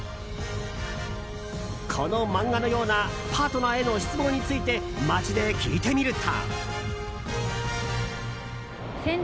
この漫画のようなパートナーへの失望について街で聞いてみると。